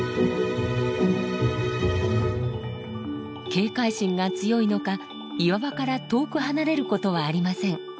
警戒心が強いのか岩場から遠く離れることはありません。